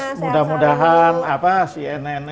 semoga mudah mudahan apa si nnn